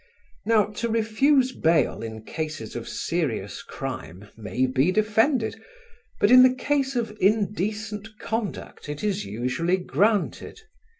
Now to refuse bail in cases of serious crime may be defended, but in the case of indecent conduct it is usually granted.